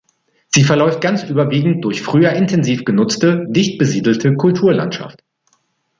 Sie verläuft ganz überwiegend durch früher intensiv genutzte, dicht besiedelte Kulturlandschaft.